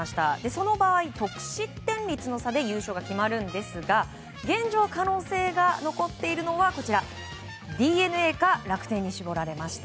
その場合、得失点率の差で優勝が決まるんですが現状、可能性が残っているのはＤｅＮＡか楽天に絞られました。